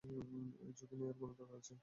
এই ঝুঁকি নেয়ার কোনো দরকার আছে?